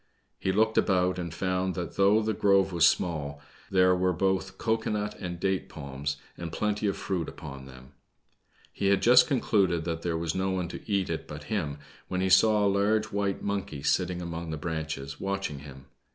He looked about and found that though the grove was small, there were both cocoa nut and date palms, and plenty of fruit upon them. He had just concluded that there was no one to eat it but him, when he saw a large white monkey sitting among the branches, watching him.